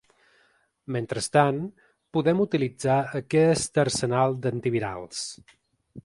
Mentrestant, podem utilitzar aquest arsenal d’antivirals.